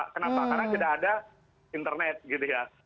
kenapa karena tidak ada internet gitu ya